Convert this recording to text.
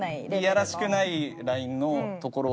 いやらしくないラインのところを狙って。